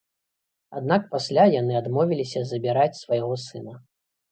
Аднак пасля яны адмовіліся забіраць свайго сына.